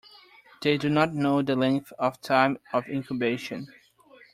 They do not know the length of time of incubation.